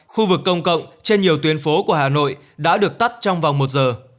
khu vực công cộng trên nhiều tuyến phố của hà nội đã được tắt trong vòng một giờ